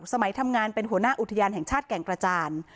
สมัยทำงานเป็นหัวหน้าอุทยานแห่งชาติแก่งกระจาน